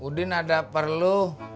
udin ada perlu